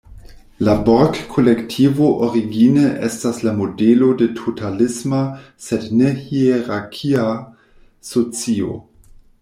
La Borg-kolektivo origine estas la modelo de totalisma, sed ne-hierarkia socio.